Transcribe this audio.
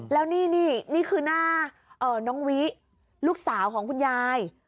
แล้วนี่นี่คือหน้าน้องวิลูกสาวของคุณยาย